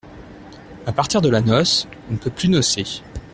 À partir de la noce, on ne peut plus nocer.